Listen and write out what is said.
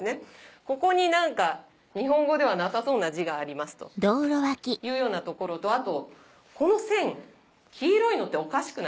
ここに何か日本語ではなさそうな字がありますというようなところとあとこの線が黄色いのっておかしくないですか？